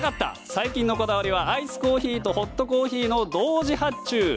最近のこだわりはアイスコーヒーとホットコーヒーの同時発注。